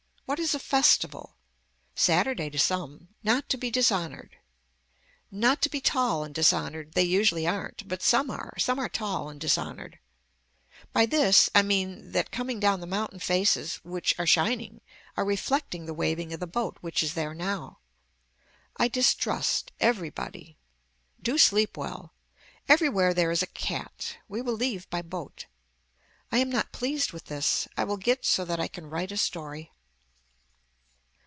What is a festival. Saturday to some. Not to be dishonored. Not to be tall and dishonored they usually aren't but some are, some are tall and dishonored. By this I mean that coming down the mountain faces which are shining are reflecting the waving of the boat which is there now. I distrust everybody. Do sleep well. Everywhere there is a cat. We will leave by boat. I am not pleased with this. I will get so that I can write a story.